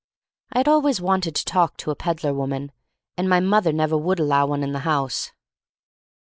I had always wanted to talk to a peddler woman, and my mother never would allow one in the house.